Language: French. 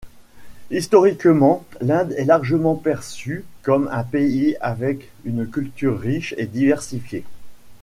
Historiquement, l'Inde est largement perçue comme un pays avec une culture riche et diversifiée.